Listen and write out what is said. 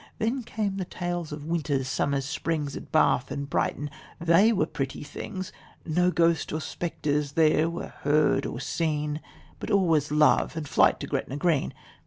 Then came the tales of Winters, Summers, Springs At Bath and Brighton they were pretty things! No ghosts or spectres there were heard or seen, But all was love and flight to Gretna green.